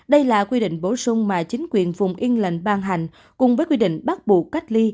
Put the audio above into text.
đây là quy định bổ sung mà chính quyền vùng yên lệnh ban hành cùng với quy định bắt buộc cách ly